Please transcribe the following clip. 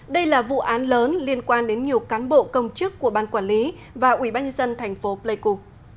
đây là vụ án lớn liên quan đến nhiều cán bộ công chức của ban quản lý và ủy ban nhân dân thành phố pleiku